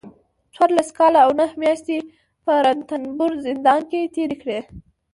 څلور کاله او نهه مياشتې په رنتنبور زندان کې تېرې کړي